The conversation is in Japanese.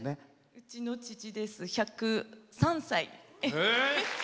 うちの父です、１０３歳。